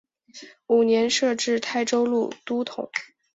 五年设置泰州路都统。